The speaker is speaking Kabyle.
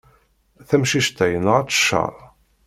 Tamcict-a yenɣa-tt cceṛ.